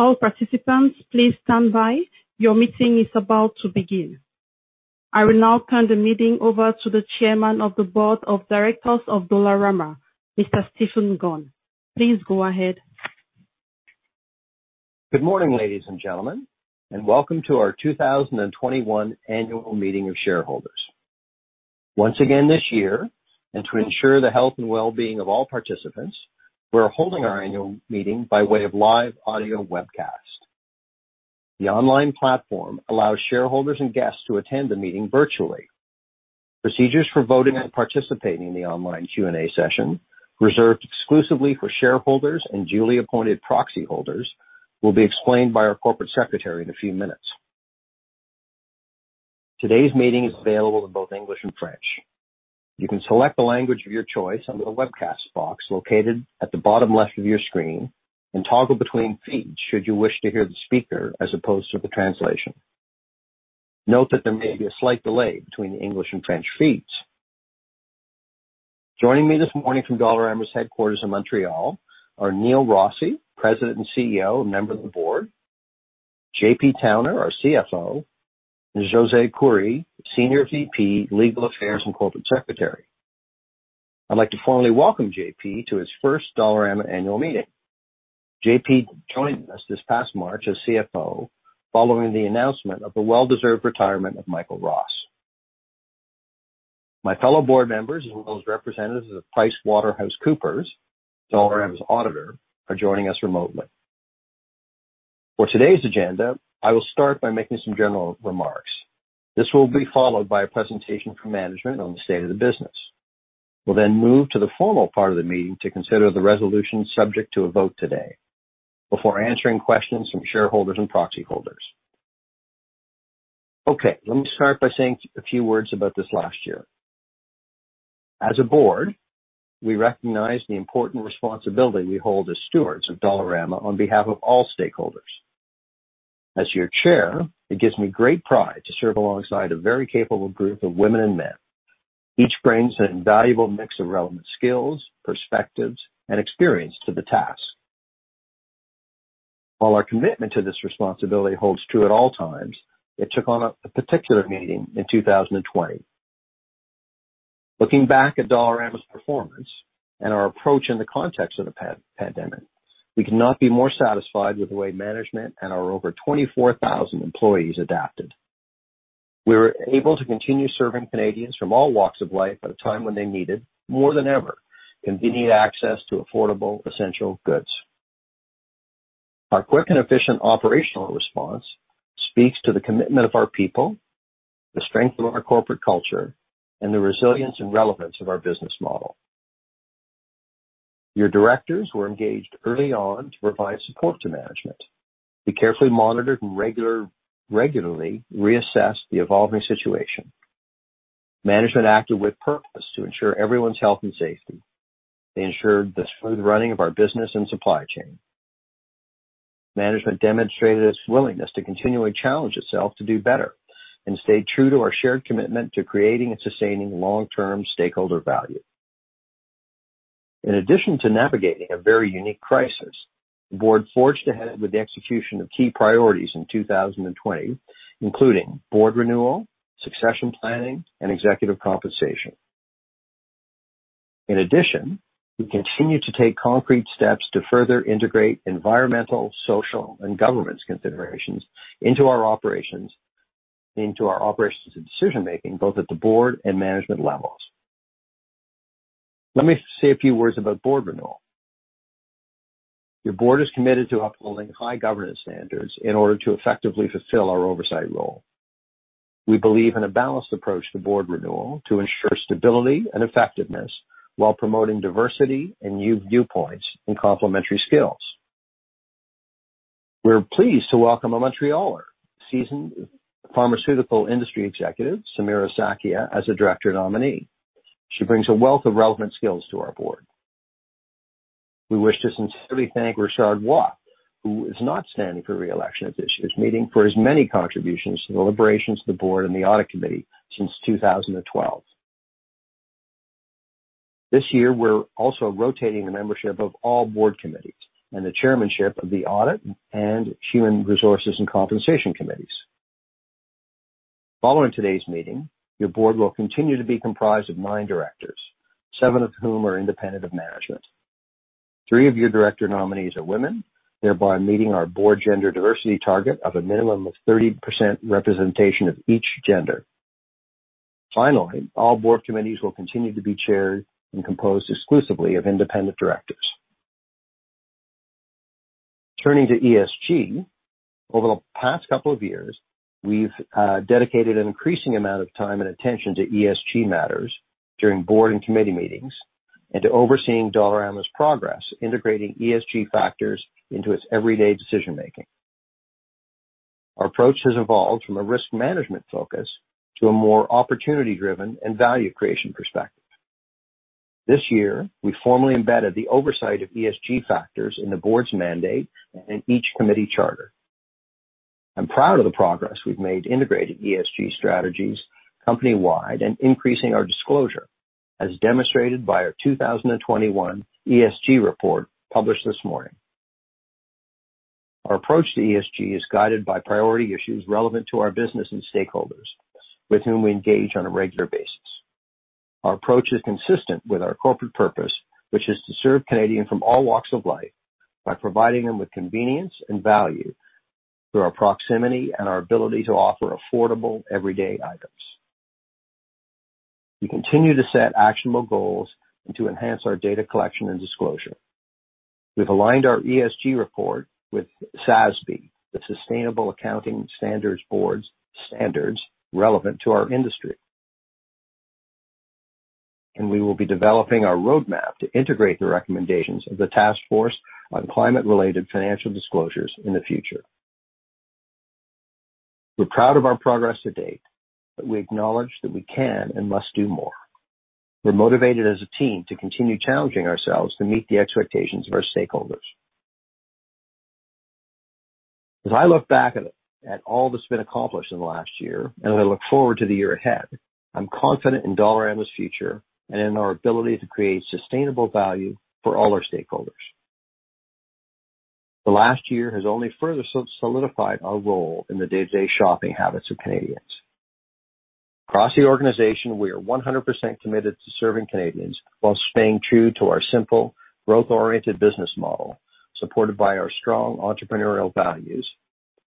I will now turn the meeting over to the Chairman of the Board of Directors of Dollarama, Mr. Stephen Gunn. Good morning, ladies and gentlemen, and welcome to our 2021 annual meeting of shareholders. Once again this year, and to ensure the health and wellbeing of all participants, we're holding our annual meeting by way of live audio webcast. The online platform allows shareholders and guests to attend the meeting virtually. Procedures for voting and participating in the online Q&A session, reserved exclusively for shareholders and duly appointed proxy holders, will be explained by our corporate secretary in a few minutes. Today's meeting is available in both English and French. You can select the language of your choice under the webcast box located at the bottom left of your screen and toggle between feeds should you wish to hear the speaker as opposed to the translation. Note that there may be a slight delay between the English and French feeds. Joining me this morning from Dollarama's headquarters in Montreal are Neil Rossy, president and CEO, and member of the board, J.P. Towner, our CFO, and Josée Courville, senior VP, legal affairs, and corporate secretary. I'd like to formally welcome J.P. to his first Dollarama annual meeting. J.P. joined us this past March as CFO following the announcement of the well-deserved retirement of Michael Ross. My fellow board members, as well as representatives of PricewaterhouseCoopers, Dollarama's auditor, are joining us remotely. For today's agenda, I will start by making some general remarks. This will be followed by a presentation from management on the state of the business. We'll then move to the formal part of the meeting to consider the resolutions subject to a vote today, before answering questions from shareholders and proxy holders. Let me start by saying a few words about this last year. As a board, we recognize the important responsibility we hold as stewards of Dollarama on behalf of all stakeholders. As your chair, it gives me great pride to serve alongside a very capable group of women and men. Each brings an invaluable mix of relevant skills, perspectives, and experience to the task. While our commitment to this responsibility holds true at all times, it took on a particular meaning in 2020. Looking back at Dollarama's performance and our approach in the context of the pandemic, we cannot be more satisfied with the way management and our over 24,000 employees adapted. We were able to continue serving Canadians from all walks of life at a time when they needed, more than ever, convenient access to affordable, essential goods. Our quick and efficient operational response speaks to the commitment of our people, the strength of our corporate culture, and the resilience and relevance of our business model. Your directors were engaged early on to provide support to management. We carefully monitored and regularly reassessed the evolving situation. Management acted with purpose to ensure everyone's health and safety. They ensured the smooth running of our business and supply chain. Management demonstrated its willingness to continually challenge itself to do better and stay true to our shared commitment to creating and sustaining long-term stakeholder value. In addition to navigating a very unique crisis, the board forged ahead with the execution of key priorities in 2020, including board renewal, succession planning, and executive compensation. In addition, we continued to take concrete steps to further integrate environmental, social, and governance considerations into our operations and decision-making, both at the board and management levels. Let me say a few words about board renewal. Your board is committed to upholding high governance standards in order to effectively fulfill our oversight role. We believe in a balanced approach to board renewal to ensure stability and effectiveness while promoting diversity and new viewpoints and complementary skills. We're pleased to welcome a Montrealer, seasoned pharmaceutical industry executive, Samira Sakhia, as a director nominee. She brings a wealth of relevant skills to our board. We wish to sincerely thank Richard Roy, who is not standing for re-election at this year's meeting, for his many contributions to the deliberations of the board and the audit committee since 2012. This year, we're also rotating the membership of all board committees and the chairmanship of the audit and Human Resources and Compensation Committees. Following today's meeting, your board will continue to be comprised of nine directors, seven of whom are independent of management. Three of your director nominees are women, thereby meeting our board gender diversity target of a minimum of 30% representation of each gender. All board committees will continue to be chaired and composed exclusively of independent directors. Turning to ESG, over the past couple of years, we've dedicated an increasing amount of time and attention to ESG matters during board and committee meetings and to overseeing Dollarama's progress integrating ESG factors into its everyday decision-making. Our approach has evolved from a risk management focus to a more opportunity-driven and value creation perspective. This year, we formally embedded the oversight of ESG factors in the board's mandate and in each committee charter. I'm proud of the progress we've made integrating ESG strategies company-wide and increasing our disclosure, as demonstrated by our 2021 ESG report published this morning. Our approach to ESG is guided by priority issues relevant to our business and stakeholders with whom we engage on a regular basis. Our approach is consistent with our corporate purpose, which is to serve Canadians from all walks of life by providing them with convenience and value through our proximity and our ability to offer affordable, everyday items. We continue to set actionable goals and to enhance our data collection and disclosure. We've aligned our ESG report with SASB, the Sustainable Accounting Standards Board's standards relevant to our industry. We will be developing our roadmap to integrate the recommendations of the Task Force on Climate-related Financial Disclosures in the future. We're proud of our progress to date, but we acknowledge that we can and must do more. We're motivated as a team to continue challenging ourselves to meet the expectations of our stakeholders. As I look back at all that's been accomplished in the last year, and I look forward to the year ahead, I'm confident in Dollarama's future and in our ability to create sustainable value for all our stakeholders. The last year has only further solidified our role in the day-to-day shopping habits of Canadians. Across the organization, we are 100% committed to serving Canadians while staying true to our simple, growth-oriented business model, supported by our strong entrepreneurial values,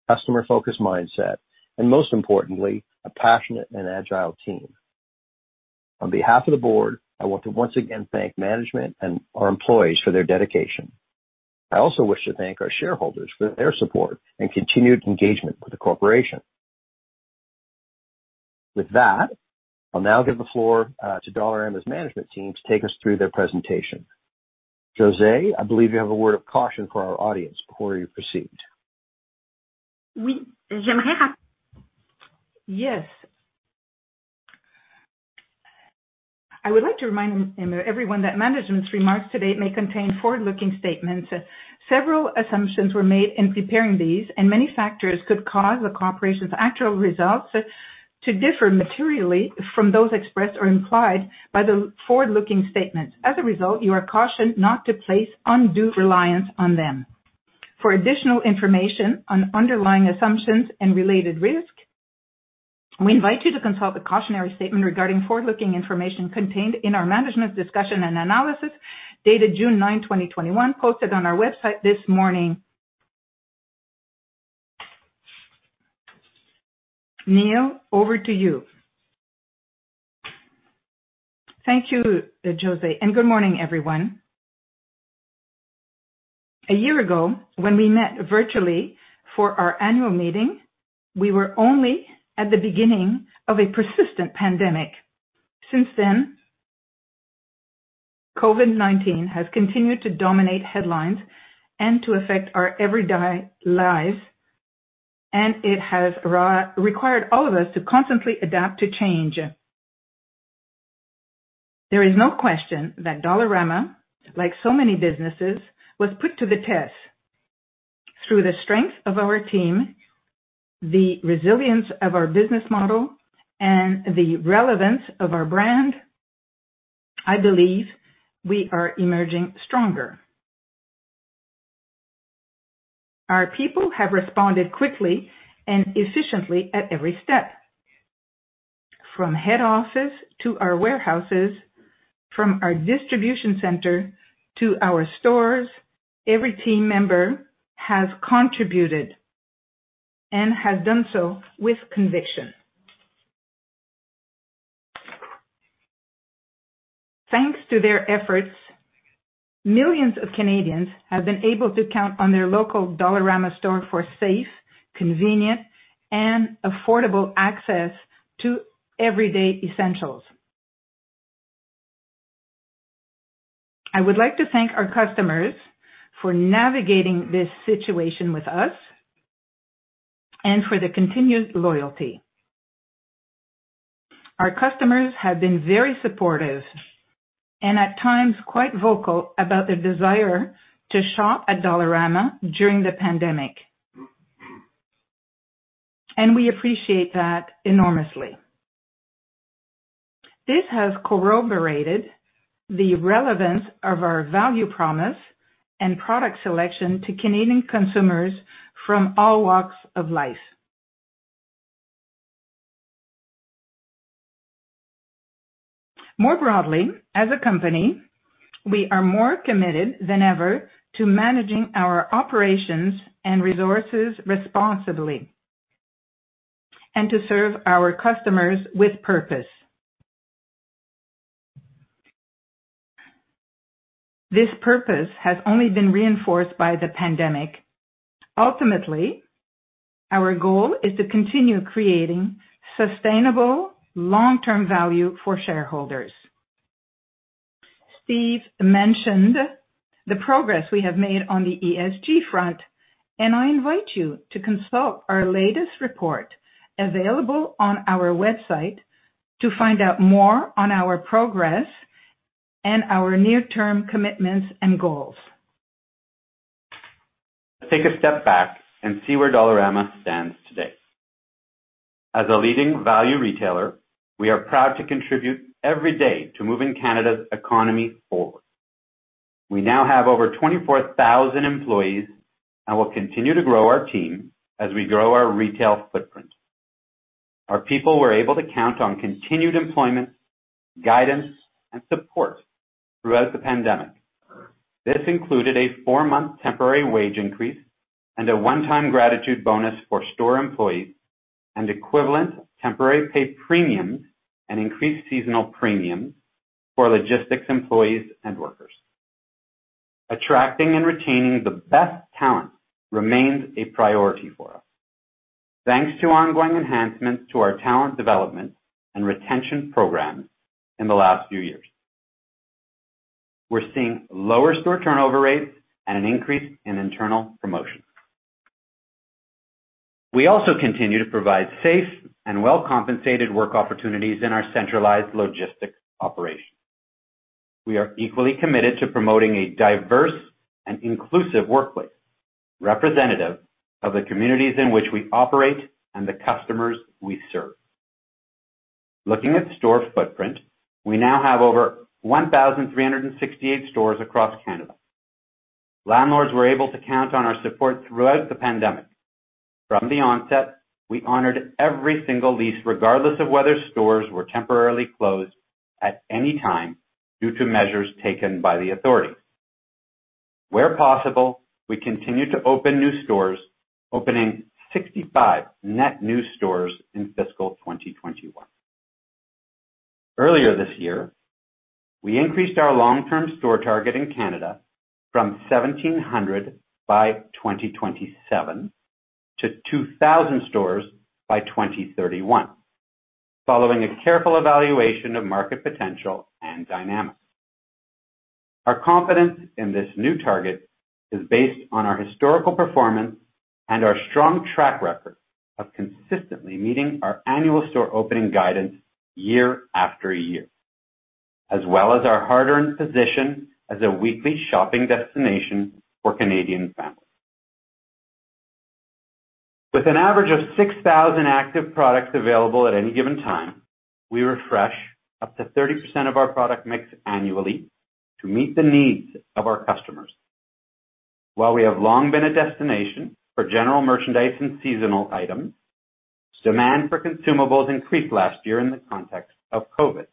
customer-focused mindset, and most importantly, a passionate and agile team. On behalf of the board, I want to once again thank management and our employees for their dedication. I also wish to thank our shareholders for their support and continued engagement with the corporation. With that, I'll now give the floor to Dollarama's management team to take us through their presentation. Josée, I believe you have a word of caution for our audience before we proceed. Yes. I would like to remind everyone that management's remarks today may contain forward-looking statements. Several assumptions were made in preparing these, Many factors could cause the corporation's actual results to differ materially from those expressed or implied by the forward-looking statements. As a result, you are cautioned not to place undue reliance on them. For additional information on underlying assumptions and related risk, we invite you to consult the cautionary statement regarding forward-looking information contained in our management discussion and analysis dated June 9, 2021, posted on our website this morning. Neil, over to you. Thank you, Josée. Good morning, everyone. A year ago, when we met virtually for our annual meeting, we were only at the beginning of a persistent pandemic. Since then, COVID-19 has continued to dominate headlines and to affect our everyday lives, and it has required all of us to constantly adapt to change. There is no question that Dollarama, like so many businesses, was put to the test. Through the strength of our team, the resilience of our business model, and the relevance of our brand, I believe we are emerging stronger. Our people have responded quickly and efficiently at every step. From head office to our warehouses, from our distribution center to our stores, every team member has contributed and has done so with conviction. Thanks to their efforts, millions of Canadians have been able to count on their local Dollarama store for safe, convenient, and affordable access to everyday essentials. I would like to thank our customers for navigating this situation with us and for their continued loyalty. Our customers have been very supportive and at times quite vocal about their desire to shop at Dollarama during the pandemic. We appreciate that enormously. This has corroborated the relevance of our value promise and product selection to Canadian consumers from all walks of life. More broadly, as a company, we are more committed than ever to managing our operations and resources responsibly and to serve our customers with purpose. This purpose has only been reinforced by the pandemic. Ultimately, our goal is to continue creating sustainable long-term value for shareholders. Stephen mentioned the progress we have made on the ESG front, and I invite you to consult our latest report available on our website to find out more on our progress and our near-term commitments and goals. Take a step back and see where Dollarama stands today. As a leading value retailer, we are proud to contribute every day to moving Canada's economy forward. We now have over 24,000 employees and will continue to grow our team as we grow our retail footprint. Our people were able to count on continued employment, guidance, and support throughout the pandemic. This included a four-month temporary wage increase and a one-time gratitude bonus for store employees and equivalent temporary pay premiums and increased seasonal premiums for logistics employees and workers. Attracting and retaining the best talent remains a priority for us. Thanks to ongoing enhancements to our talent development and retention programs in the last few years, we're seeing lower store turnover rates and an increase in internal promotions. We also continue to provide safe and well-compensated work opportunities in our centralized logistics operations. We are equally committed to promoting a diverse and inclusive workplace, representative of the communities in which we operate and the customers we serve. Looking at store footprint, we now have over 1,368 stores across Canada. Landlords were able to count on our support throughout the pandemic. From the onset, we honored every single lease, regardless of whether stores were temporarily closed at any time due to measures taken by the authorities. Where possible, we continued to open new stores, opening 65 net new stores in fiscal 2021. Earlier this year, we increased our long-term store target in Canada from 1,700 by 2027-2,000 stores by 2031, following a careful evaluation of market potential and dynamics. Our confidence in this new target is based on our historical performance and our strong track record of consistently meeting our annual store opening guidance year after year, as well as our hard-earned position as a weekly shopping destination for Canadian families. With an average of 6,000 active products available at any given time, we refresh up to 30% of our product mix annually to meet the needs of our customers. While we have long been a destination for general merchandise and seasonal items, demand for consumables increased last year in the context of COVID.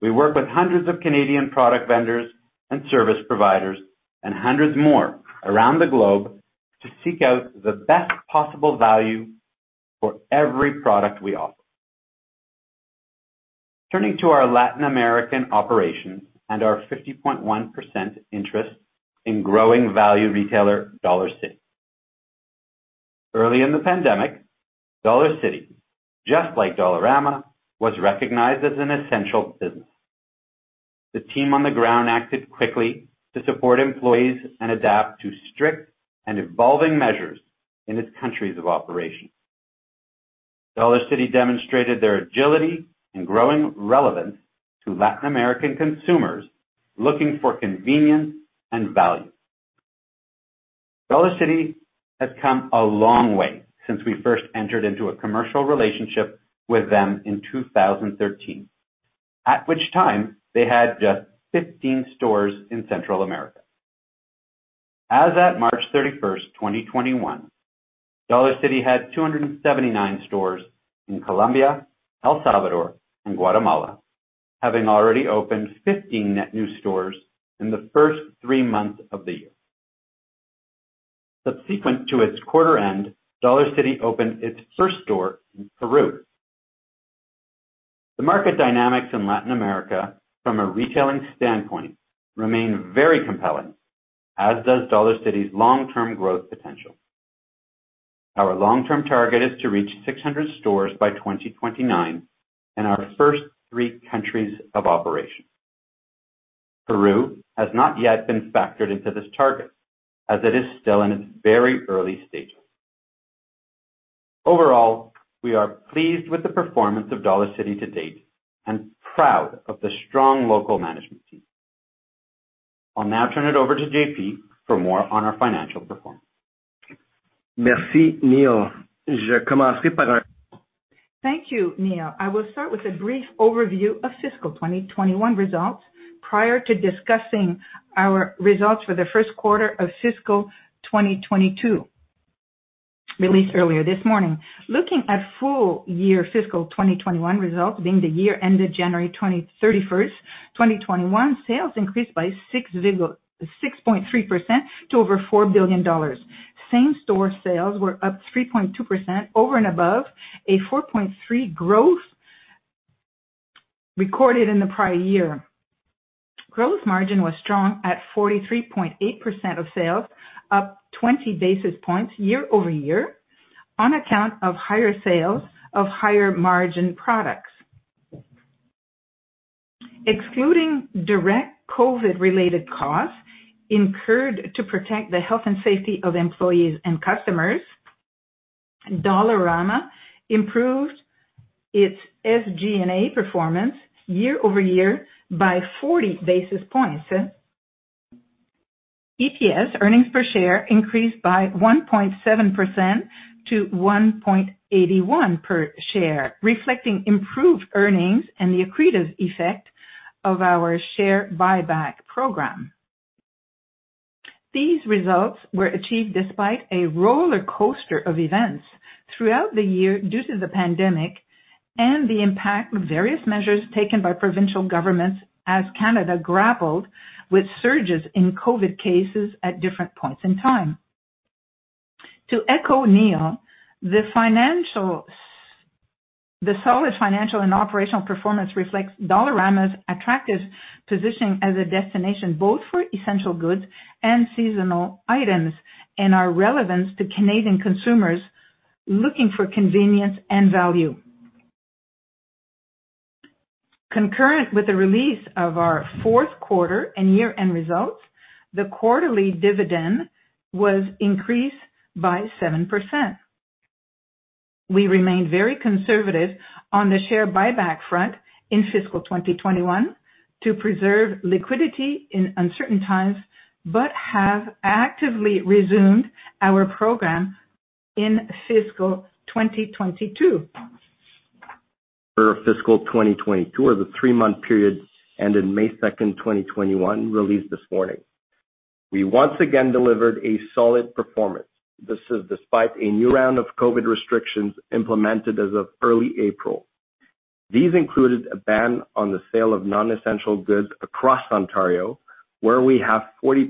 We work with hundreds of Canadian product vendors and service providers, and hundreds more around the globe to seek out the best possible value for every product we offer. Turning to our Latin American operations and our 50.1% interest in growing value retailer, Dollarcity. Early in the pandemic, Dollarcity, just like Dollarama, was recognized as an essential business. The team on the ground acted quickly to support employees and adapt to strict and evolving measures in its countries of operation. Dollarcity demonstrated their agility and growing relevance to Latin American consumers looking for convenience and value. Dollarcity has come a long way since we first entered into a commercial relationship with them in 2013, at which time they had just 15 stores in Central America. As of March 31st, 2021, Dollarcity had 279 stores in Colombia, El Salvador, and Guatemala, having already opened 15 net new stores in the first three months of the year. Subsequent to its quarter end, Dollarcity opened its first store in Peru. The market dynamics in Latin America from a retailing standpoint remain very compelling, as does Dollarcity's long-term growth potential. Our long-term target is to reach 600 stores by 2029 in our first three countries of operation. Peru has not yet been factored into this target, as it is still in its very early stages. Overall, we are pleased with the performance of Dollarcity to date and proud of the strong local management team. I'll now turn it over to J.P. for more on our financial performance. Thank you, Neil. I will start with a brief overview of fiscal 2021 results prior to discussing our results for the first quarter of fiscal 2022, released earlier this morning. Looking at full-year fiscal 2021 results being the year ended January 31st, 2021, sales increased by 6.3% to over 4 billion dollars. same-store sales were up 3.2% over and above a 4.3% growth recorded in the prior year. gross margin was strong at 43.8% of sales, up 20 basis points year-over-year on account of higher sales of higher margin products. Excluding direct COVID-related costs incurred to protect the health and safety of employees and customers. Dollarama improved its SG&A performance year-over-year by 40 basis points. EPS, earnings per share, increased by 1.7% to 1.81 per share, reflecting improved earnings and the accretive effect of our share buyback program. These results were achieved despite a rollercoaster of events throughout the year due to the pandemic and the impact of various measures taken by provincial governments as Canada grappled with surges in COVID cases at different points in time. To echo Neil, the solid financial and operational performance reflects Dollarama's attractive position as a destination both for essential goods and seasonal items, and our relevance to Canadian consumers looking for convenience and value. Concurrent with the release of our fourth quarter and year-end results, the quarterly dividend was increased by 7%. We remained very conservative on the share buyback front in fiscal 2021 to preserve liquidity in uncertain times but have actively resumed our program in fiscal 2022. For fiscal 2022, or the three-month period ending May 2, 2021, released this morning. We once again delivered a solid performance. This is despite a new round of COVID restrictions implemented as of early April. These included a ban on the sale of non-essential goods across Ontario, where we have 40%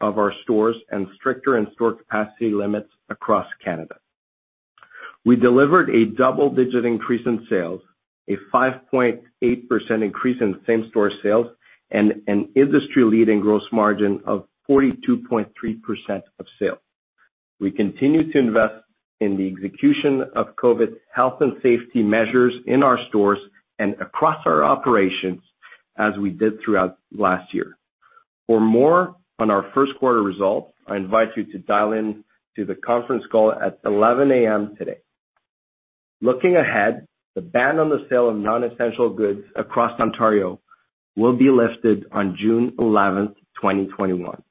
of our stores, and stricter in-store capacity limits across Canada. We delivered a double-digit increase in sales, a 5.8% increase in same-store sales, and an industry-leading gross margin of 42.3% of sales. We continue to invest in the execution of COVID health and safety measures in our stores and across our operations as we did throughout last year. For more on our first quarter results, I invite you to dial in to the conference call at 11:00 A.M. today. Looking ahead, the ban on the sale of non-essential goods across Ontario will be lifted on June 11, 2021.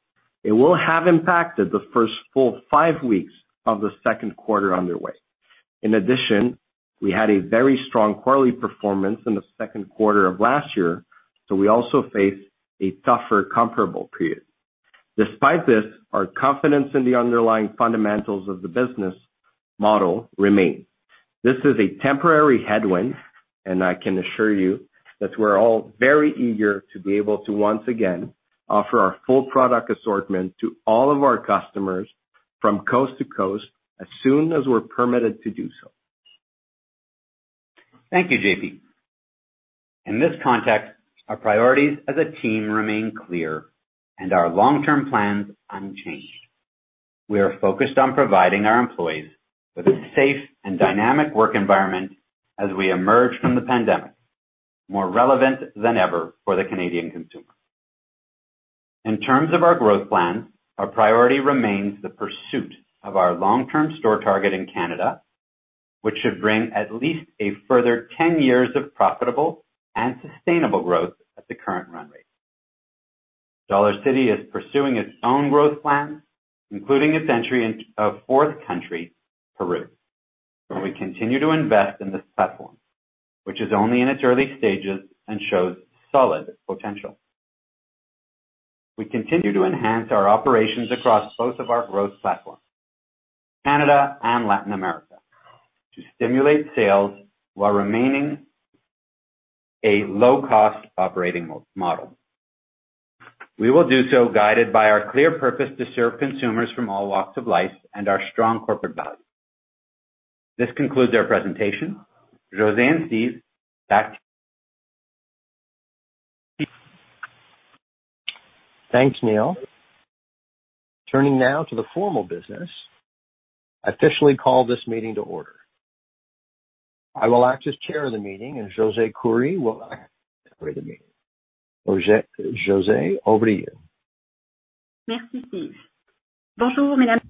It will have impacted the first full five weeks of the second quarter underway. We had a very strong quarterly performance in the second quarter of last year, so we also face a tougher comparable period. Despite this, our confidence in the underlying fundamentals of the business model remains. This is a temporary headwind, and I can assure you that we're all very eager to be able to once again offer our full product assortment to all of our customers from coast to coast as soon as we're permitted to do so. Thank you, J.P. In this context, our priorities as a team remain clear and our long-term plans unchanged. We are focused on providing our employees with a safe and dynamic work environment as we emerge from the pandemic, more relevant than ever for the Canadian consumer. In terms of our growth plan, our priority remains the pursuit of our long-term store target in Canada, which should bring at least a further 10 years of profitable and sustainable growth at the current run rate. Dollarcity is pursuing its own growth plans, including its entry into a fourth country, Peru, where we continue to invest in this platform, which is only in its early stages and shows solid potential. We continue to enhance our operations across both of our growth platforms, Canada and Latin America, to stimulate sales while remaining a low-cost operating model. We will do so guided by our clear purpose to serve consumers from all walks of life and our strong corporate values. This concludes our presentation. Josée and Stephen Gunn, back to you. Thanks, Neil. Turning now to the formal business, I officially call this meeting to order. I will act as chair of the meeting, and Josée Courville will act as Secretary of the meeting. Josée, over to you. Merci, Stephen. Bonjour. Thank you, Stephen.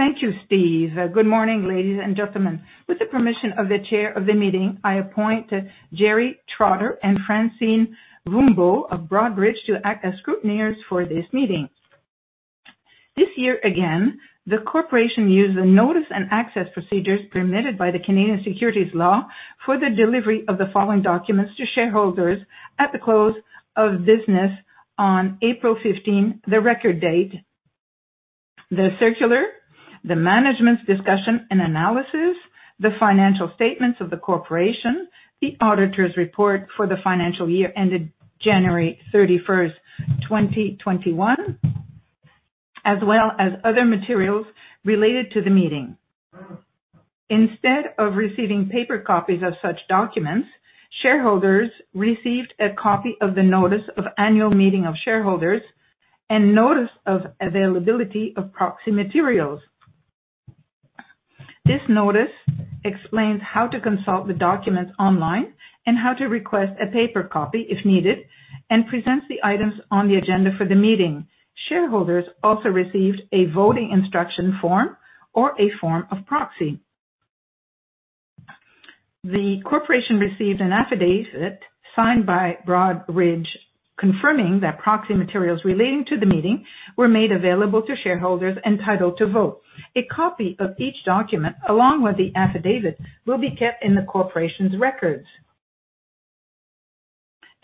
Good morning, ladies and gentlemen. With the permission of the chair of the meeting, I appoint Gerry Trotter and Francine Rouleau of Broadridge to act as scrutineers for this meeting. This year again, the corporation used the notice and access procedures permitted by the Canadian securities law for the delivery of the following documents to shareholders at the close of business on April 15th, the record date. The circular, the management's discussion and analysis, the financial statements of the corporation, the auditor's report for the financial year ended January 31st, 2021, as well as other materials related to the meeting. Instead of receiving paper copies of such documents, shareholders received a copy of the notice of annual meeting of shareholders and notice of availability of proxy materials. Explains how to consult the documents online and how to request a paper copy if needed, and presents the items on the agenda for the meeting. Shareholders also receive a voting instruction form or a form of proxy. The corporation receives an affidavit signed by Broadridge confirming that proxy materials relating to the meeting were made available to shareholders entitled to vote. A copy of each document, along with the affidavits, will be kept in the corporation's records.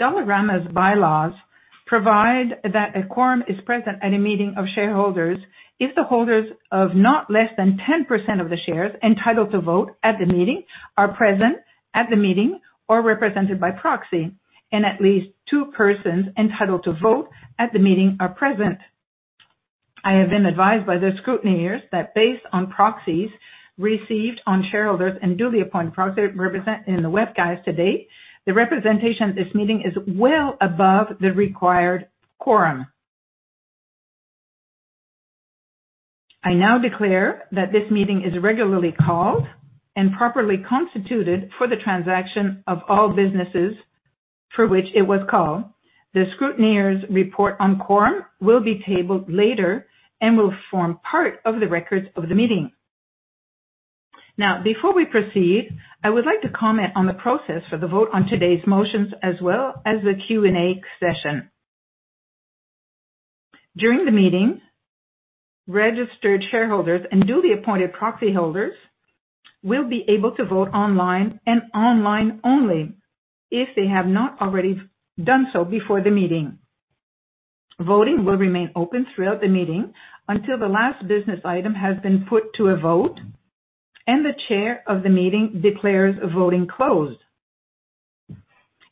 Dollarama's bylaws provide that a quorum is present at a meeting of shareholders if the holders of not less than 10% of the shares entitled to vote at the meeting are present at the meeting or represented by proxy, and at least two persons entitled to vote at the meeting are present. I have been advised by the scrutineers that based on proxies received on shareholders and duly appointed proxy represented in the webcast today, the representation at this meeting is well above the required quorum. I now declare that this meeting is regularly called and properly constituted for the transaction of all businesses for which it was called. The scrutineers' report on quorum will be tabled later and will form part of the records of the meeting. Now, before we proceed, I would like to comment on the process for the vote on today's motions as well as the Q&A session. During the meeting, registered shareholders and duly appointed proxy holders will be able to vote online and online only if they have not already done so before the meeting. Voting will remain open throughout the meeting until the last business item has been put to a vote and the Chair of the meeting declares the voting closed.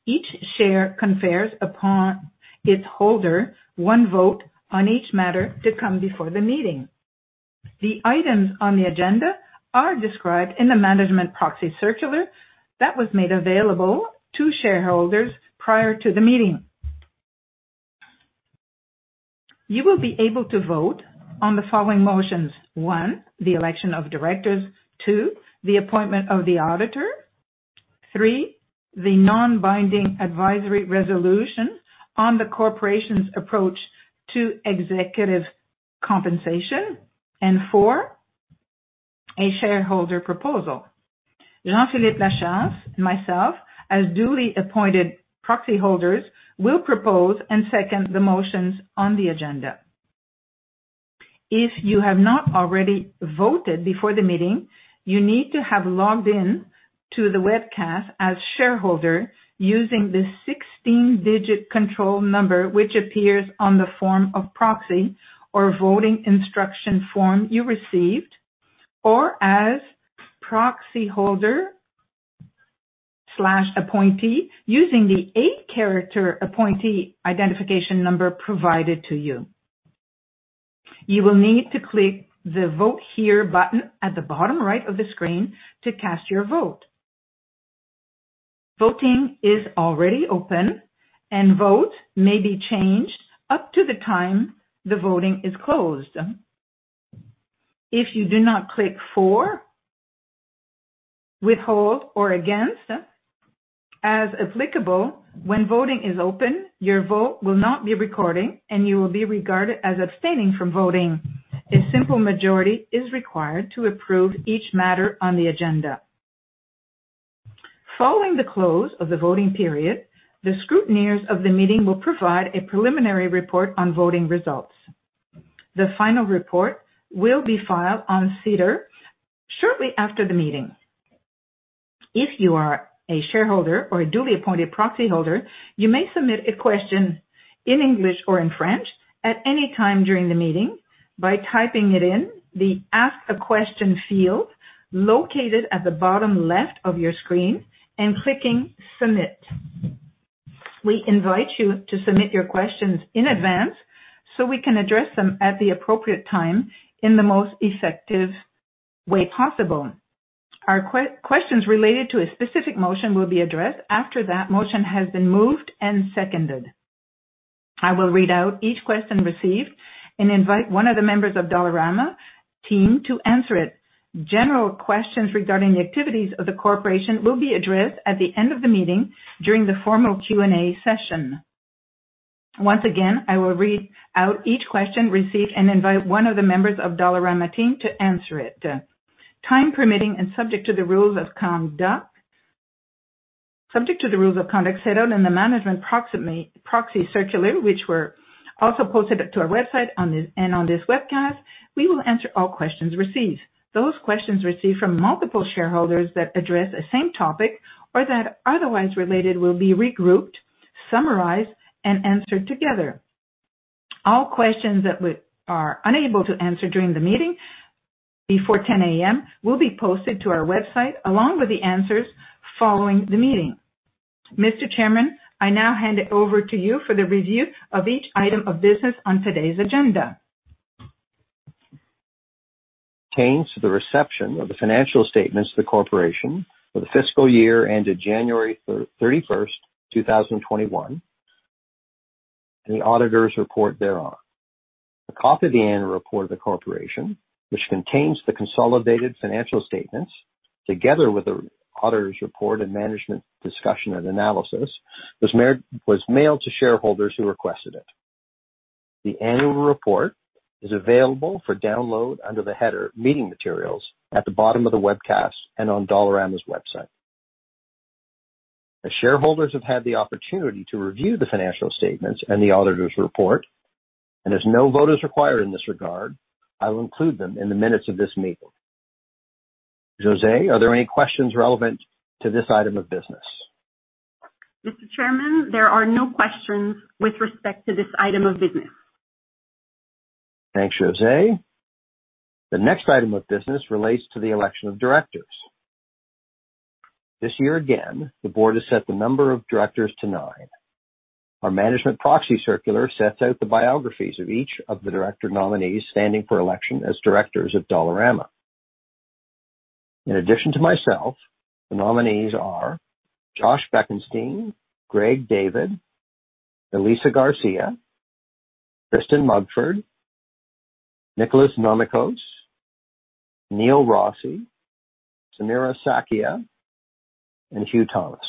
Each share confers upon its holder one vote on each matter to come before the meeting. The items on the agenda are described in a management proxy circular that was made available to shareholders prior to the meeting. You will be able to vote on the following motions: One, the election of directors. Two, the appointment of the auditor. Three, the non-binding advisory resolution on the corporation's approach to executive compensation. Four, a shareholder proposal. Jean-Philippe Lachance, myself, as duly appointed proxy holders, will propose and second the motions on the agenda. If you have not already voted before the meeting, you need to have logged in to the webcast as shareholder using the 16-digit control number, which appears on the form of proxy or voting instruction form you received, or as proxyholder/appointee using the eight-character appointee identification number provided to you. You will need to click the Vote Here button at the bottom right of the screen to cast your vote. Voting is already open, and votes may be changed up to the time the voting is closed. If you do not click for, withhold, or against as applicable when voting is open, your vote will not be recorded, and you will be regarded as abstaining from voting. A simple majority is required to approve each matter on the agenda. Following the close of the voting period, the scrutineers of the meeting will provide a preliminary report on voting results. The final report will be filed on SEDAR shortly after the meeting. If you are a shareholder or a duly appointed proxyholder, you may submit a question in English or in French at any time during the meeting by typing it in the Ask a Question field located at the bottom left of your screen and clicking Submit. We invite you to submit your questions in advance so we can address them at the appropriate time in the most effective way possible. Questions related to a specific motion will be addressed after that motion has been moved and seconded. I will read out each question received and invite one of the members of Dollarama team to answer it. General questions regarding the activities of the corporation will be addressed at the end of the meeting during the formal Q&A session. Once again, I will read out each question received and invite one of the members of Dollarama team to answer it. Time permitting and subject to the rules of conduct set out in the management proxy circular, which were also posted to our website and on this webcast, we will answer all questions received. Those questions received from multiple shareholders that address the same topic or that are otherwise related will be regrouped, summarized, and answered together. All questions that we are unable to answer during the meeting before 10:00 A.M. will be posted to our website along with the answers following the meeting. Mr. Chairman, I now hand it over to you for the review of each item of business on today's agenda. Pertains to the reception of the financial statements of the corporation for the fiscal year ended January 31st, 2021 and the auditor's report thereon. A copy of the annual report of the corporation, which contains the consolidated financial statements together with the auditor's report and management discussion and analysis, was mailed to shareholders who requested it. The annual report is available for download under the header Meeting Materials at the bottom of the webcast and on Dollarama's website. The shareholders have had the opportunity to review the financial statements and the auditor's report, and as no vote is required in this regard, I will include them in the minutes of this meeting. Josée, are there any questions relevant to this item of business? Mr. Chairman, there are no questions with respect to this item of business. Thanks, Josée. The next item of business relates to the election of directors. This year again, the board has set the number of directors to nine. Our management proxy circular sets out the biographies of each of the director nominees standing for election as directors of Dollarama. In addition to myself, the nominees are Joshua Bekenstein, Gregory David, Elisa D. Garcia C., Kristin W. Mugford, Nicholas Nomicos, Neil Rossy, Samira Sakhia, and Huw Thomas.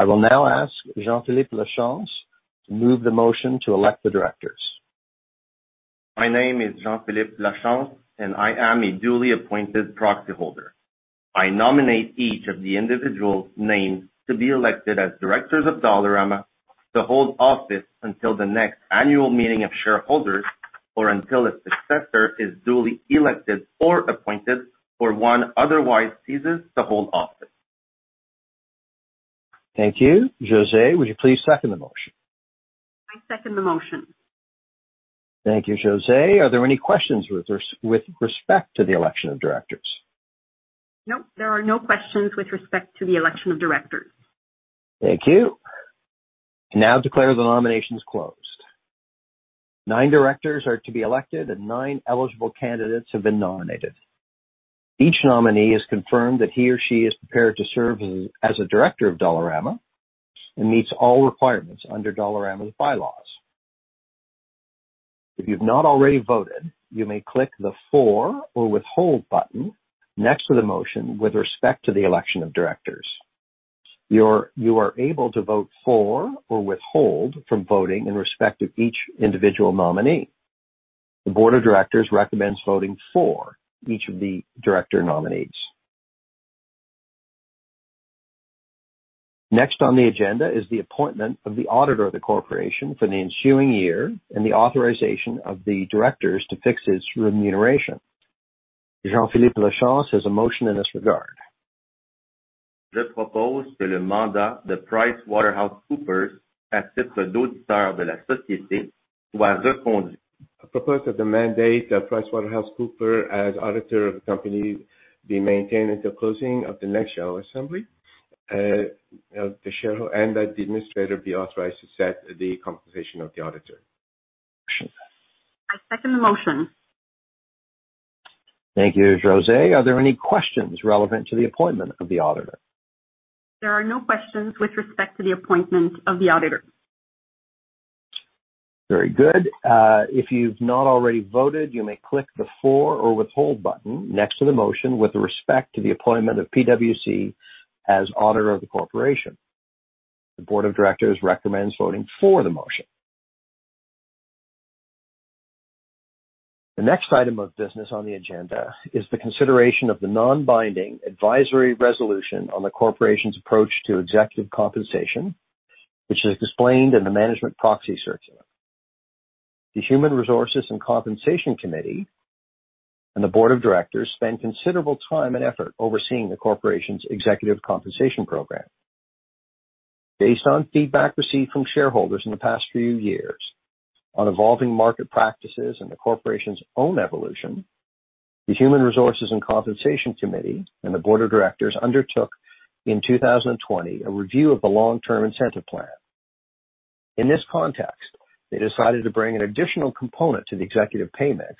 I will now ask Jean-Philippe Lachance to move the motion to elect the directors. My name is Jean-Philippe Lachance. I am a duly appointed proxy holder. I nominate each of the individuals named to be elected as directors of Dollarama to hold office until the next annual meeting of shareholders or until a successor is duly elected or appointed or one otherwise ceases to hold office. Thank you. Josée, would you please second the motion? I second the motion. Thank you, Josée. Are there any questions with respect to the election of directors? Nope. There are no questions with respect to the election of directors. Thank you. I now declare the nominations closed. nine directors are to be elected, and nine eligible candidates have been nominated. Each nominee has confirmed that he or she is prepared to serve as a director of Dollarama and meets all requirements under Dollarama's bylaws. If you've not already voted, you may click the for or withhold button next to the motion with respect to the election of directors. You are able to vote for or withhold from voting in respect of each individual nominee. The board of directors recommends voting for each of the director nominees. Next on the agenda is the appointment of the auditor of the corporation for the ensuing year and the authorization of the directors to fix his remuneration. Jean-Philippe Lachance has a motion in this regard. I propose that the mandate that PricewaterhouseCoopers as auditor of the company be maintained at the closing of the next annual assembly and that the administrator be authorized to set the compensation of the auditor. Motion. I second the motion. Thank you, Josée. Are there any questions relevant to the appointment of the auditor? There are no questions with respect to the appointment of the auditor. Very good. If you've not already voted, you may click the for or withhold button next to the motion with respect to the appointment of PwC as auditor of the Corporation. The Board of Directors recommends voting for the motion. The next item of business on the agenda is the consideration of the non-binding advisory resolution on the Corporation's approach to executive compensation, which is explained in the management proxy circular. The Human Resources and Compensation Committee and the Board of Directors spend considerable time and effort overseeing the Corporation's executive compensation program. Based on feedback received from shareholders in the past few years on evolving market practices and the Corporation's own evolution, the Human Resources and Compensation Committee and the Board of Directors undertook in 2020 a review of the long-term incentive plan. In this context, they decided to bring an additional component to the executive pay mix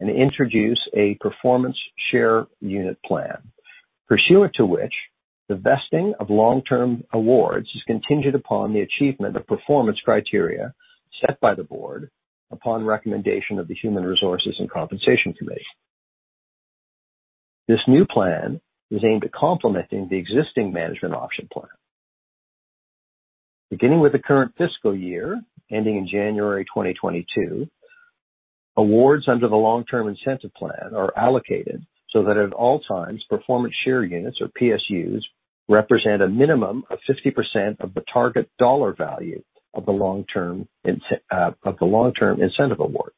and introduce a performance share unit plan, pursuant to which the vesting of long-term awards is contingent upon the achievement of performance criteria set by the board upon recommendation of the Human Resources and Compensation Committee. This new plan is aimed at complementing the existing management option plan. Beginning with the current fiscal year, ending in January 2022, awards under the long-term incentive plan are allocated so that at all times, performance share units, or PSUs, represent a minimum of 50% of the target dollar value of the long-term incentive award.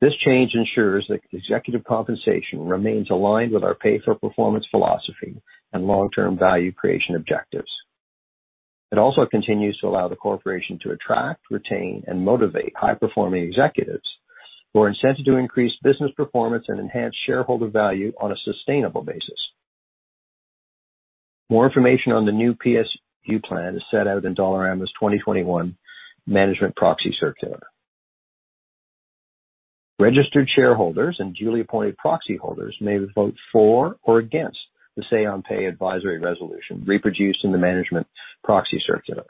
This change ensures that executive compensation remains aligned with our pay-for-performance philosophy and long-term value creation objectives. It also continues to allow the corporation to attract, retain, and motivate high-performing executives who are incented to increase business performance and enhance shareholder value on a sustainable basis. More information on the new PSU plan is set out in Dollarama's 2021 management proxy circular. Registered shareholders and duly appointed proxyholders may vote for or against the say-on-pay advisory resolution reproduced in the management proxy circular.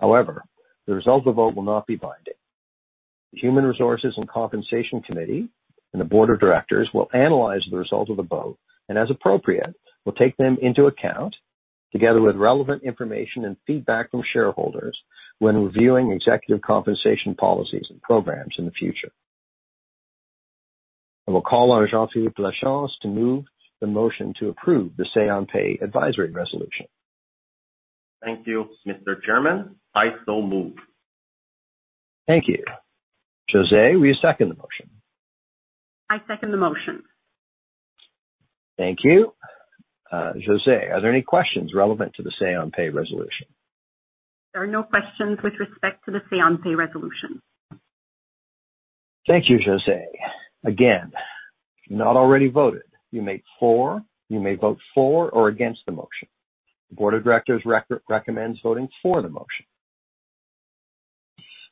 However, the result of the vote will not be binding. The Human Resources and Compensation Committee and the board of directors will analyze the results of the vote and, as appropriate, will take them into account, together with relevant information and feedback from shareholders when reviewing executive compensation policies and programs in the future. I will call on Jean-Philippe Lachance to move the motion to approve the say-on-pay advisory resolution. Thank you, Mr. Chairman. I so move. Thank you. Josée, will you second the motion? I second the motion. Thank you, Josée. Are there any questions relevant to the say-on-pay resolution? There are no questions with respect to the say-on-pay resolution. Thank you, Josée. Again, if you've not already voted, you may vote for or against the motion. The board of directors recommends voting for the motion.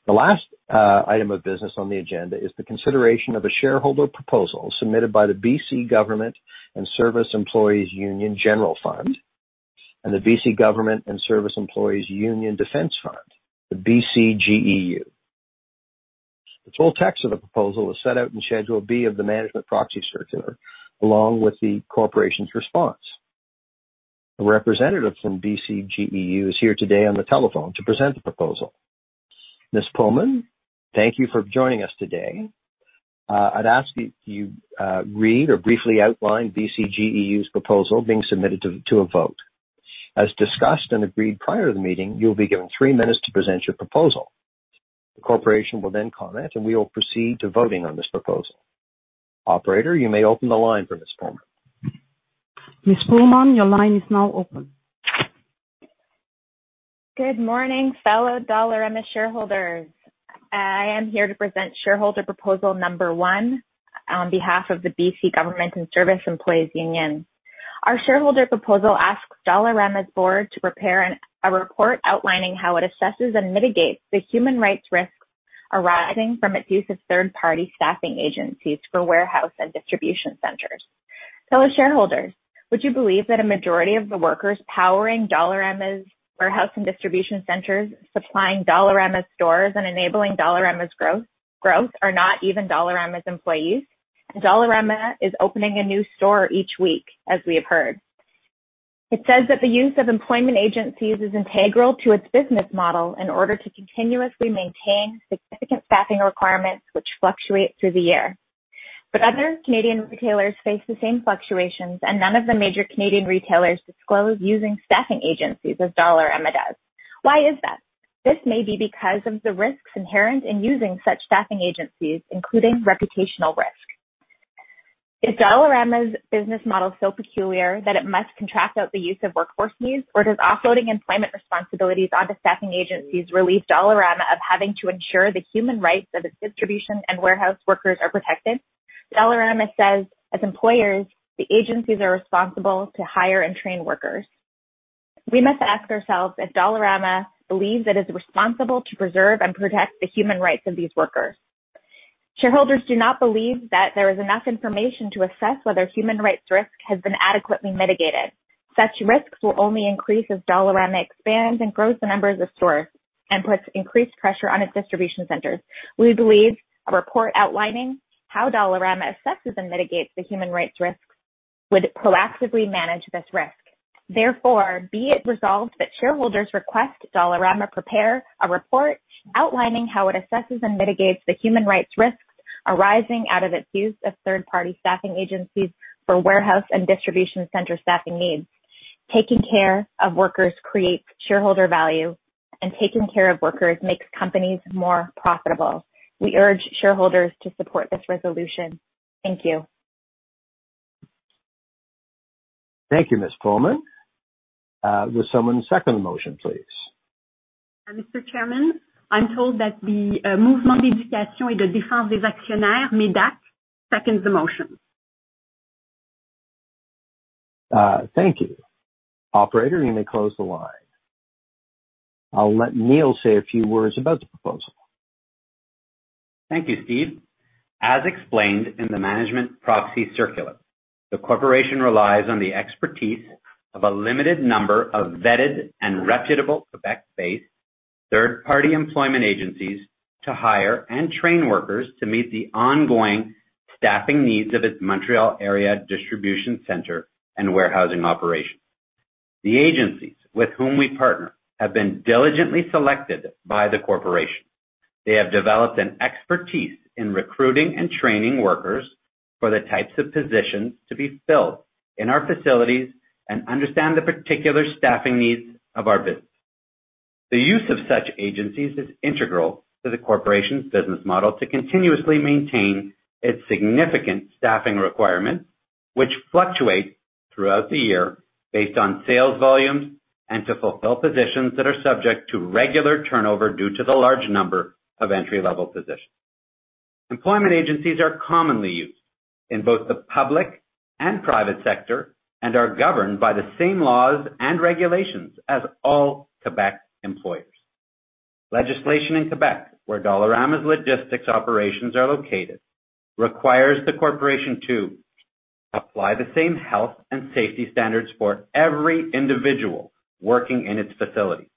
The last item of business on the agenda is the consideration of a shareholder proposal submitted by the B.C. General Employees' Union General Fund and the B.C. General Employees' Union Defence Fund, the BCGEU. The full text of the proposal is set out in Schedule B of the management proxy circular, along with the corporation's response. A representative from BCGEU is here today on the telephone to present the proposal. Ms. Coleman, thank you for joining us today. I'd ask that you read or briefly outline BCGEU's proposal being submitted to a vote. As discussed and agreed prior to the meeting, you'll be given three minutes to present your proposal. The corporation will then comment, and we will proceed to voting on this proposal. Operator, you may open the line for Ms. Coleman. Ms. Coleman, your line is now open. Good morning, fellow Dollarama shareholders. I am here to present shareholder proposal number one on behalf of the B.C. General Employees' Union. Our shareholder proposal asks Dollarama's board to prepare a report outlining how it assesses and mitigates the human rights risks arising from its use of third-party staffing agencies for warehouse and distribution centers. Fellow shareholders, would you believe that a majority of the workers powering Dollarama's warehouse and distribution centers, supplying Dollarama stores, and enabling Dollarama's growth are not even Dollarama's employees? Dollarama is opening a new store each week, as we have heard. It says that the use of employment agencies is integral to its business model in order to continuously maintain significant staffing requirements which fluctuate through the year. Other Canadian retailers face the same fluctuations, and none of the major Canadian retailers disclose using staffing agencies as Dollarama does. Why is that? This may be because of the risks inherent in using such staffing agencies, including reputational risk. Is Dollarama's business model so peculiar that it must contract out the use of workforces? Or does offloading employment responsibilities onto staffing agencies relieve Dollarama of having to ensure the human rights of its distribution and warehouse workers are protected? Dollarama says, as employers, the agencies are responsible to hire and train workers. We must ask ourselves if Dollarama believes it is responsible to preserve and protect the human rights of these workers. Shareholders do not believe that there is enough information to assess whether human rights risk has been adequately mitigated. Such risks will only increase as Dollarama expands and grows the number of the stores and puts increased pressure on its distribution centers. We believe a report outlining how Dollarama assesses and mitigates the human rights risk would proactively manage this risk. Therefore, be it resolved that shareholders request Dollarama prepare a report outlining how it assesses and mitigates the human rights risks arising out of its use of third-party staffing agencies for warehouse and distribution center staffing needs. Taking care of workers creates shareholder value, and taking care of workers makes companies more profitable. We urge shareholders to support this resolution. Thank you. Thank you, Ms. Coleman. Will someone second the motion, please? Mr. Chairman, I'm told that the. Thank you. Operator, you may close the line. I'll let Neil say a few words about the proposal. Thank you, Stephen Gunn. As explained in the management proxy circular, the corporation relies on the expertise of a limited number of vetted and reputable Quebec-based third-party employment agencies to hire and train workers to meet the ongoing staffing needs of its Montreal area distribution center and warehousing operations. The agencies with whom we partner have been diligently selected by the corporation. They have developed an expertise in recruiting and training workers for the types of positions to be filled in our facilities and understand the particular staffing needs of our business. The use of such agencies is integral to the corporation's business model to continuously maintain its significant staffing requirements, which fluctuate throughout the year based on sales volumes and to fulfill positions that are subject to regular turnover due to the large number of entry-level positions. Employment agencies are commonly used in both the public and private sector, and are governed by the same laws and regulations as all Quebec employers. Legislation in Quebec, where Dollarama's logistics operations are located, requires the corporation to apply the same health and safety standards for every individual working in its facilities,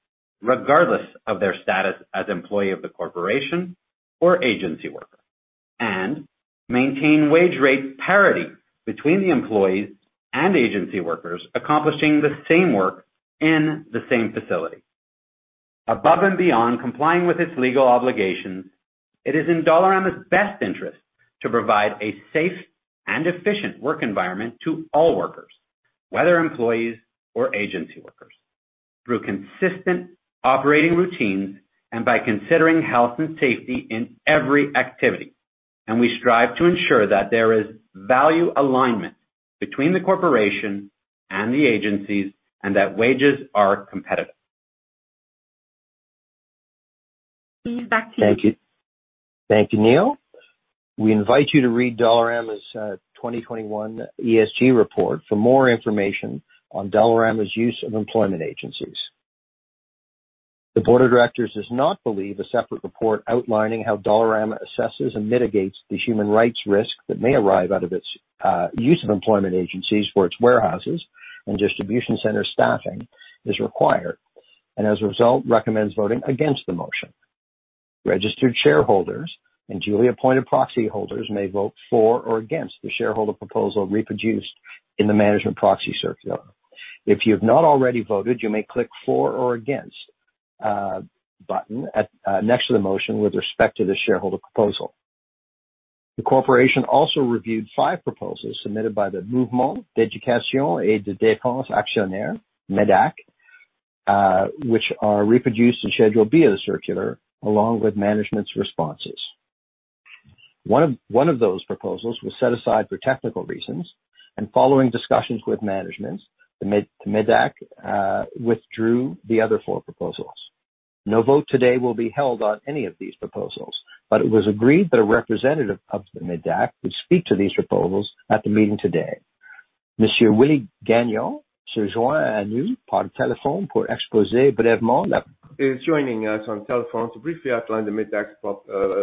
regardless of their status as employee of the corporation or agency worker, and maintain wage rate parity between the employees and agency workers accomplishing the same work in the same facility. Above and beyond complying with its legal obligations, it is in Dollarama's best interest to provide a safe and efficient work environment to all workers, whether employees or agency workers, through consistent operating routines and by considering health and safety in every activity. We strive to ensure that there is value alignment between the corporation and the agencies, and that wages are competitive. Thank you, Neil. We invite you to read Dollarama's 2021 ESG report for more information on Dollarama's use of employment agencies. The board of directors does not believe a separate report outlining how Dollarama assesses and mitigates the human rights risk that may arise out of its use of employment agencies for its warehouses and distribution center staffing is required, and as a result, recommends voting against the motion. Registered shareholders and duly appointed proxy holders may vote for or against the shareholder proposal reproduced in the management proxy circular. If you have not already voted, you may click for or against button next to the motion with respect to the shareholder proposal. The corporation also reviewed five proposals submitted by the Mouvement d'éducation et de défense des actionnaires, MÉDAC, which are reproduced in Schedule B of the circular, along with management's responses. One of those proposals was set aside for technical reasons. Following discussions with management, the MÉDAC withdrew the other four proposals. No vote today will be held on any of these proposals. It was agreed that a representative of the MÉDAC would speak to these proposals at the meeting today. Monsieur Willie Gagnon is joining us on telephone to briefly outline the MÉDAC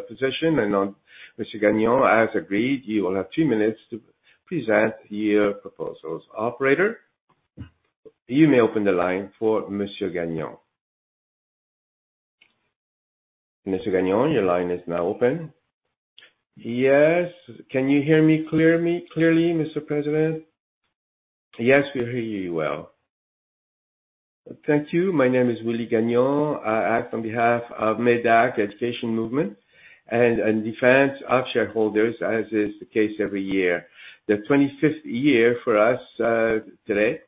position. Mr. Gagnon, as agreed, you will have two minutes to present the proposals. Operator, you may open the line for Monsieur Gagnon. Monsieur Gagnon, your line is now open. Yes. Can you hear me clearly, Mr. President? Yes, we hear you well. Thank you. My name is Willie Gagnon. I act on behalf of MÉDAC, Mouvement d'éducation et de défense des actionnaires, as is the case every year. The 25th year for us today,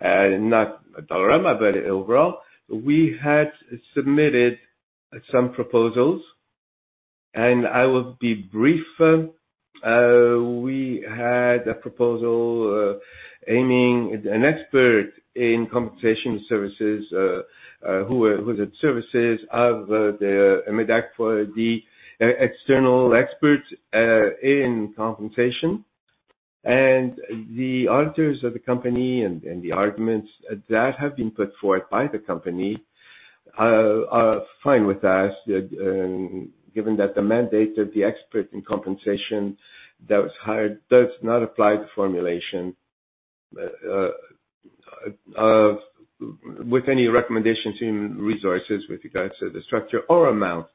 not Dollarama, but overall. We had submitted some proposals. I will be brief. We had a proposal aiming an expert in compensation services, who had services of the MÉDAC for the external expert in compensation. The auditors of the company and the arguments that have been put forward by the company are fine with us, given that the mandate of the expert in compensation that was hired does not apply to formulation with any recommendations in resources with regards to the structure or amount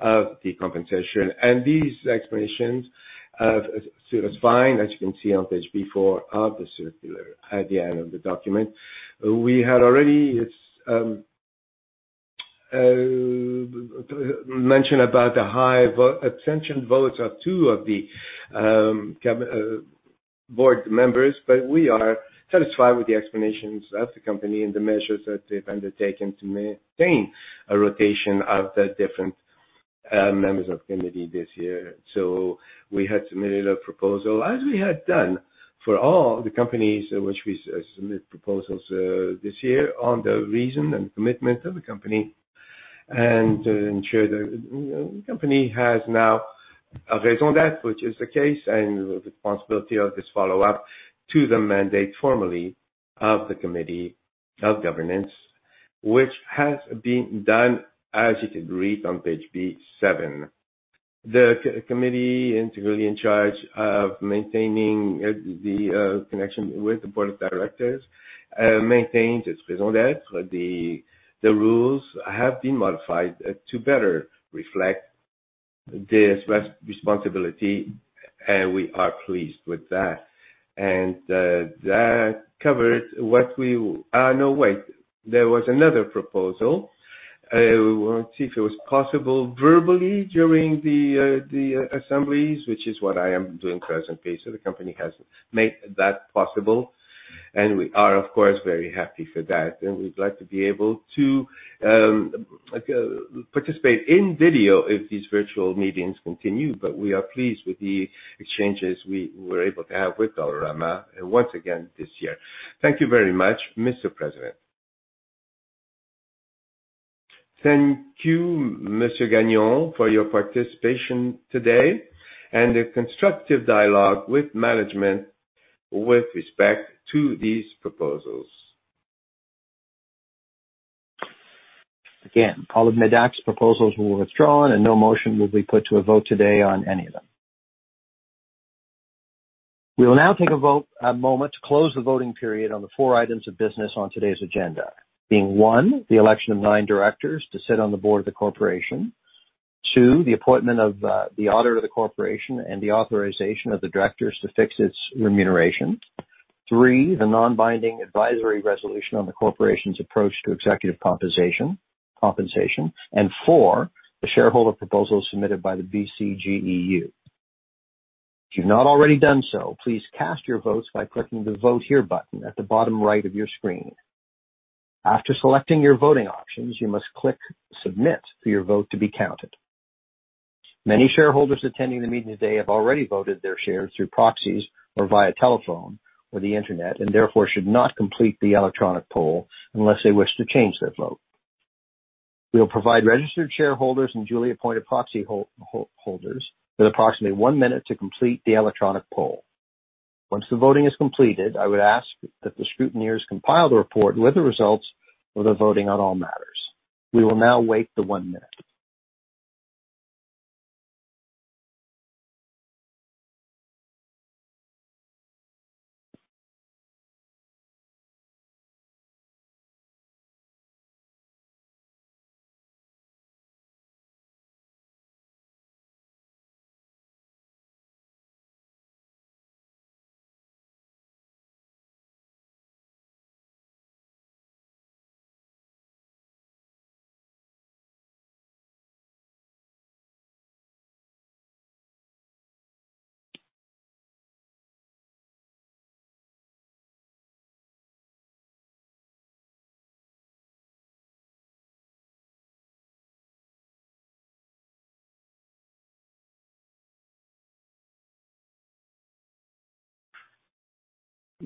of the compensation. These explanations are fine, as you can see on page B4 of the circular at the end of the document. We had already mentioned about the high attention votes of two of the board members, but we are satisfied with the explanations of the company and the measures that they've undertaken to maintain a rotation of the different members of the committee this year. We had submitted a proposal, as we had done for all the companies which we submit proposals this year, on the vision and commitment of the company, and to ensure the company has now a raison d'être, which is the case, and the responsibility of this follow-up to the mandate formerly of the committee of governance, which has been done as it agreed on page B7. The committee entirely in charge of maintaining the connection with the board of directors maintains its raison d'être. The rules have been modified to better reflect this responsibility. We are pleased with that. That covers what we No, wait. There was another proposal. We wanted to see if it was possible verbally during the assemblies, which is what I am doing presently, so the company has made that possible, and we are, of course, very happy for that. We'd like to be able to participate in video if these virtual meetings continue. We are pleased with the exchanges we were able to have with Dollarama, and once again this year. Thank you very much, Mr. President. Thank you, Mr. Gagnon, for your participation today and a constructive dialogue with management with respect to these proposals. Again, all of MÉDAC's proposals were withdrawn, and no motion will be put to a vote today on any of them. We will now take a moment to close the voting period on the four items of business on today's agenda, being one, the election of nine directors to sit on the board of the corporation. Two, the appointment of the auditor of the corporation and the authorization of the directors to fix its remuneration. Three, the non-binding advisory resolution on the corporation's approach to executive compensation. Four, the shareholder proposal submitted by the BCGEU. If you've not already done so, please cast your votes by clicking the Vote Here button at the bottom right of your screen. After selecting your voting options, you must click Submit for your vote to be counted. Many shareholders attending the meeting today have already voted their shares through proxies or via telephone or the internet and therefore should not complete the electronic poll unless they wish to change their vote. We will provide registered shareholders and duly appointed proxy holders with approximately one minute to complete the electronic poll. Once the voting is completed, I would ask that the scrutineers compile the report with the results of the voting on all matters. We will now wait for one minute.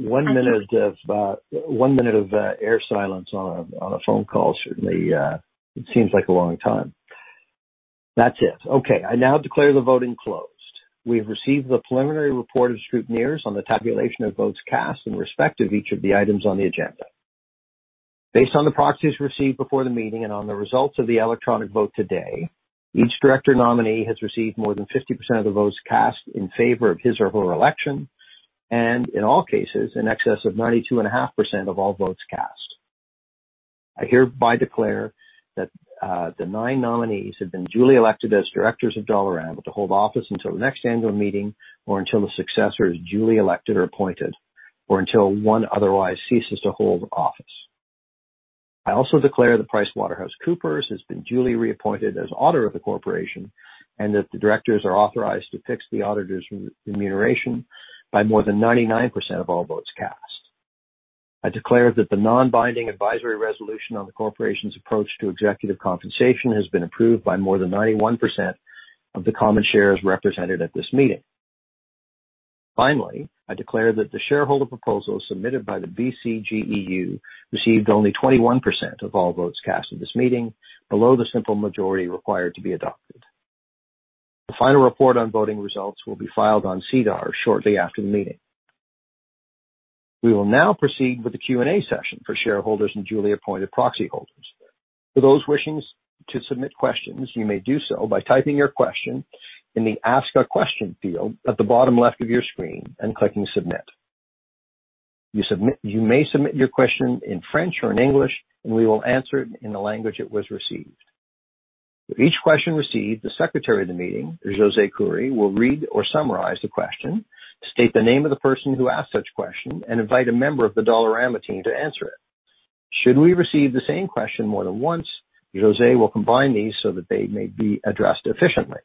One minute of air silence on a phone call certainly seems like a long time. That's it. Okay, I now declare the voting closed. We have received the preliminary report of scrutineers on the tabulation of votes cast in respect of each of the items on the agenda. Based on the proxies received before the meeting and on the results of the electronic vote today, each director nominee has received more than 50% of the votes cast in favor of his or her election and, in all cases, in excess of 92.5% of all votes cast. I hereby declare that the nine nominees have been duly elected as directors of Dollarama to hold office until the next annual meeting or until a successor is duly elected or appointed, or until one otherwise ceases to hold office. I also declare that PricewaterhouseCoopers has been duly reappointed as auditor of the corporation and that the directors are authorized to fix the auditor's remuneration by more than 99% of all votes cast. I declare that the non-binding advisory resolution on the corporation's approach to executive compensation has been approved by more than 91% of the common shares represented at this meeting. Finally, I declare that the shareholder proposal submitted by the BCGEU received only 21% of all votes cast at this meeting, below the simple majority required to be adopted. The final report on voting results will be filed on SEDAR shortly after the meeting. We will now proceed with the Q&A session for shareholders and duly appointed proxy holders. For those wishing to submit questions, you may do so by typing your question in the Ask a Question field at the bottom left of your screen and clicking Submit. You may submit your question in French or in English, and we will answer it in the language it was received. For each question received, the secretary of the meeting, Josée Courville, will read or summarize the question, state the name of the person who asked such question, and invite a member of the Dollarama team to answer it. Should we receive the same question more than once, Josée will combine these so that they may be addressed efficiently.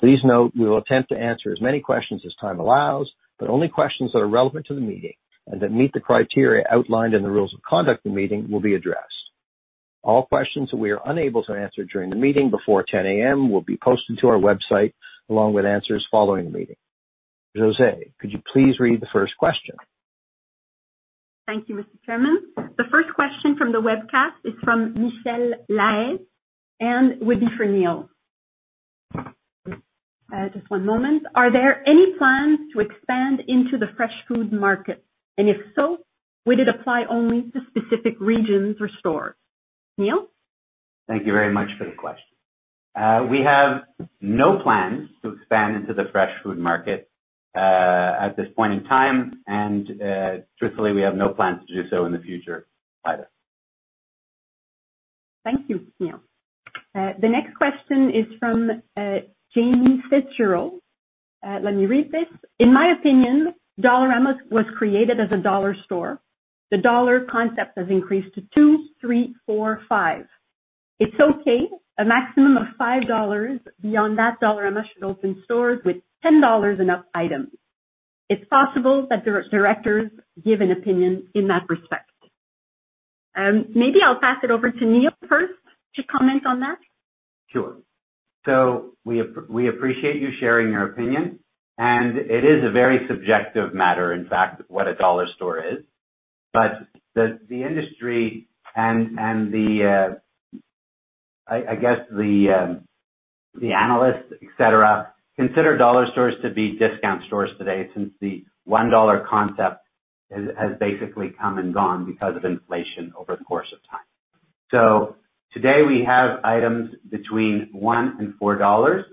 Please note we will attempt to answer as many questions as time allows, but only questions that are relevant to the meeting and that meet the criteria outlined in the rules of conduct of the meeting will be addressed. All questions that we are unable to answer during the meeting before 10:00 A.M. will be posted to our website along with answers following the meeting. Josée, could you please read the first question? Thank you, Mr. Chairman. The first question from the webcast is from Michelle Lae and would be for Neil. Just one moment. Are there any plans to expand into the fresh food market? If so, would it apply only to specific regions or stores? Neil? Thank you very much for the question. We have no plans to expand into the fresh food market, at this point in time, and strictly, we have no plans to do so in the future either. Thank you, Neil. The next question is from Jamie Fitzgerald. Let me read this. In my opinion, Dollarama was created as a dollar store. The dollar concept has increased to 2, 3, 4, 5. It's okay, a maximum of 5 dollars. Beyond that, Dollarama should open stores with 10 dollars and up items. It's possible that the directors give an opinion in that respect. Maybe I'll pass it over to Neil first to comment on that. Sure. We appreciate you sharing your opinion, and it is a very subjective matter, in fact, what a dollar store is. The industry and the analysts, et cetera, consider dollar stores to be discount stores today since the 1 dollar concept has basically come and gone because of inflation over the course of time. Today we have items between 1 and 4 dollars.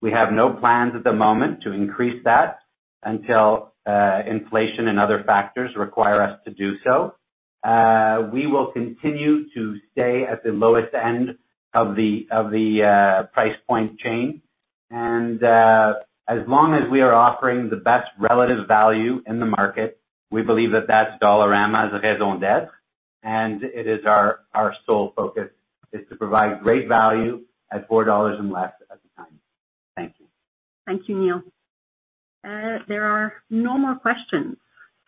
We have no plans at the moment to increase that until inflation and other factors require us to do so. We will continue to stay at the lowest end of the price point chain, and as long as we are offering the best relative value in the market, we believe that that's Dollarama as a raison d'être, and it is our sole focus is to provide great value at 4 dollars and less at the time. Thank you. Thank you, Neil. There are no more questions.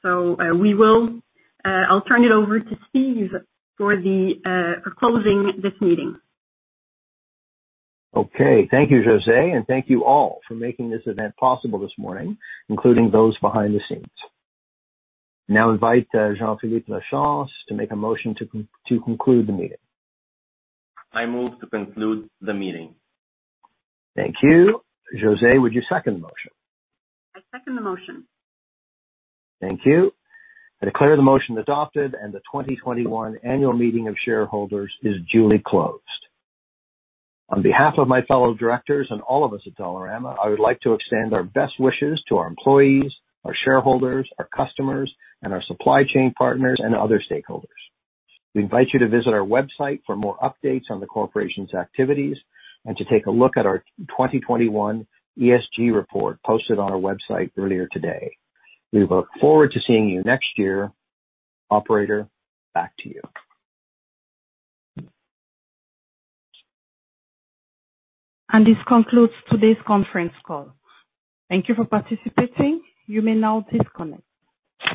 I'll turn it over to Stephen for closing this meeting. Okay. Thank you, Josée, and thank you all for making this event possible this morning, including those behind the scenes. Now invite Jean-Philippe Lachance to make a motion to conclude the meeting. I move to conclude the meeting. Thank you. Josée, would you second the motion? I second the motion. Thank you. I declare the motion adopted and the 2021 annual meeting of shareholders is duly closed. On behalf of my fellow directors and all of us at Dollarama, I would like to extend our best wishes to our employees, our shareholders, our customers, and our supply chain partners, and other stakeholders. We invite you to visit our website for more updates on the corporation's activities and to take a look at our 2021 ESG report posted on our website earlier today. We look forward to seeing you next year. Operator, back to you. This concludes today's conference call. Thank you for participating. You may now disconnect.